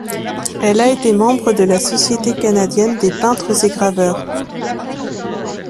Elle a été membre de la Société Canadienne des peintres et Graveurs.